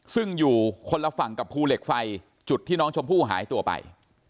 ซึ่งอยู่คนละฝั่งกับภูเหล็กไฟจุดที่น้องชมพู่หายตัวไป